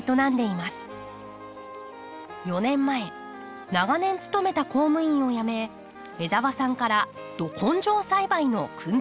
４年前長年勤めた公務員を辞め江澤さんからど根性栽培の薫陶を受けました。